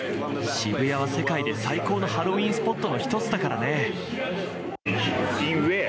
渋谷は世界で最高のハロウィーンスポットの一つだからね。